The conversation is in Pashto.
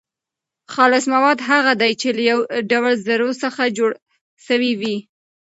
خالص مواد هغه دي چي له يو ډول ذرو څخه جوړ سوي وي.